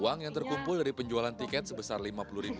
uang yang terkumpul dari penjualan tiket sebesar rp lima puluh